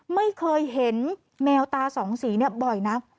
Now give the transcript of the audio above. ไม่เคยเห็นแมวตาสองสีเนี่ยบ่อยนะ